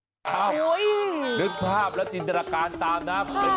โอ้โฮโอ้โฮโอ้โฮโอ้โฮภาพนึกภาพและจินตรการตามนะครับ